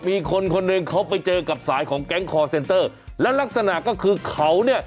มีคนคนหนึ่งเขาไปเจอกับสายของแก๊งคอร์เซ็นเตอร์แล้วลักษณะก็คือเขาเนี่ย